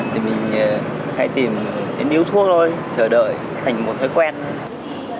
thì mình hãy tìm điếu thuốc thôi chờ đợi thành một thói quen thôi